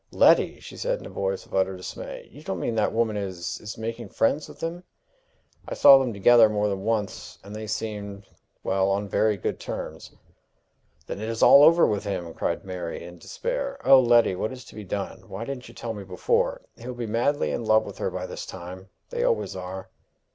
"Letty!" she said, in a voice of utter dismay, "you don't mean that woman is is making friends with him?" "I saw them together more than once, and they seemed well, on very good terms." "Then it is all over with him!" cried Mary, in despair. "O Letty! what is to be done? Why didn't you tell me before? He'll be madly in love with her by this time! They always are."